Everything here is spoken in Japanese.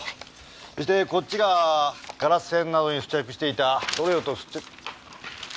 そしてこっちがガラス片などに付着していた塗料と。